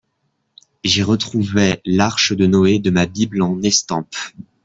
J'y retrouvais l'arche de Noe de ma Bible en estampes.